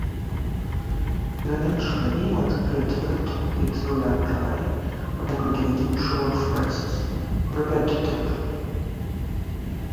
Eventually, one's creativity begins to run dry when producing short phrases repetitively.